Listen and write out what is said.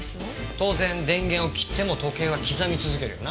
当然電源を切っても時計は刻み続けるよな？